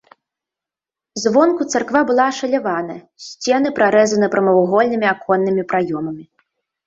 Звонку царква была ашалявана, сцены прарэзаны прамавугольнымі аконнымі праёмамі.